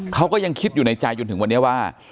เขาก็ยังคิดอยู่ในใจจนถึงวันนี้ว่า